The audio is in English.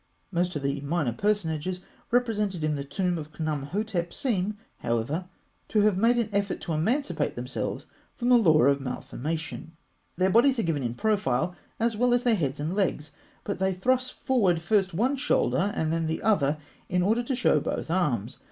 Most of the minor personages represented in the tomb of Khnûmhotep seem, however, to have made an effort to emancipate themselves from the law of malformation. Their bodies are given in profile, as well as their heads and legs; but they thrust forward first one shoulder and then the other, in order to show both arms (fig.